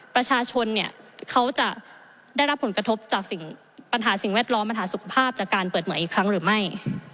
ประชาชนเนี่ยเขาจะได้รับผลกระทบจากปัญหาสิ่งแวดล้อมปัญหาสุขภาพจากการเปิดเมืองอีกครั้งหรือไม่